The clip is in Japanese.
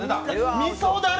みそダレ！